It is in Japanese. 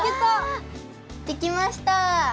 できました！